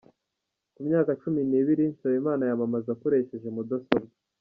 Ku myaka cumi nibiri Nsabimana yamamaza akoresheje mudasobwa